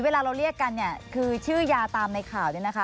เวลาเราเรียกกันเนี่ยคือชื่อยาตามในข่าวเนี่ยนะคะ